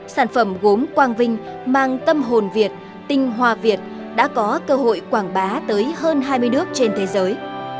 sản phẩm gốm quang vinh mang tâm hồn việt tinh hoa việt đã có cơ hội quảng bá tới hơn hai mươi nước trên thế giới